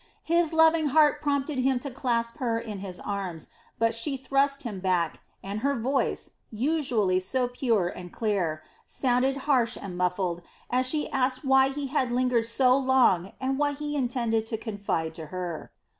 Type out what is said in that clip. His loving heart prompted him to clasp her in his arms, but she thrust him back and her voice, usually so pure and clear, sounded harsh and muffled as she asked why he had lingered so long and what he intended to confide to her.